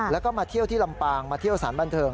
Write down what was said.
แล้วก็มาเที่ยวที่ลำปางมาเที่ยวสารบันเทิง